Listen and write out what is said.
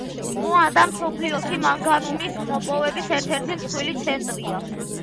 მოანდა მსოფლიოში მანგანუმის მოპოვების ერთ-ერთი მსხვილი ცენტრია.